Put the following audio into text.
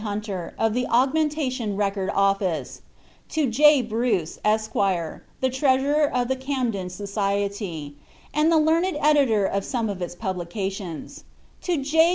Hunter, of the augmentation Record Oflicr ; to J. Bropc, iBsq., the Ireaaurer of liie Camden Society, and the learned editor of Ijtume of its publications; to J.